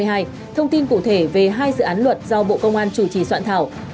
thông tin cụ thể về hai dự án luật do bộ công an chủ trì soạn thảo